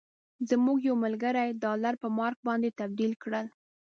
زموږ یو ملګري ډالر په مارک باندې تبدیل کړل.